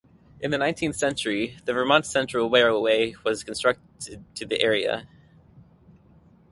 In the nineteenth century, the Vermont Central Railway was constructed to the area.